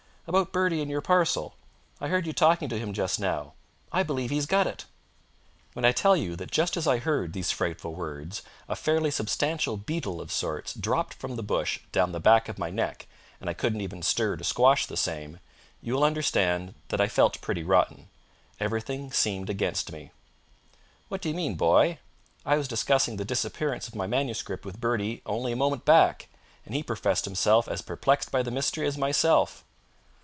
"About Bertie and your parcel. I heard you talking to him just now. I believe he's got it." When I tell you that just as I heard these frightful words a fairly substantial beetle of sorts dropped from the bush down the back of my neck, and I couldn't even stir to squash the same, you will understand that I felt pretty rotten. Everything seemed against me. "What do you mean, boy? I was discussing the disappearance of my manuscript with Bertie only a moment back, and he professed himself as perplexed by the mystery as myself."